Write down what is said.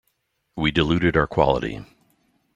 We diluted our quality.